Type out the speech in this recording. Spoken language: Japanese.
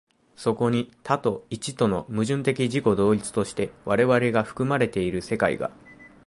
そこに多と一との矛盾的自己同一として我々が含まれている世界が、